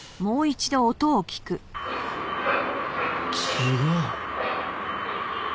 違う。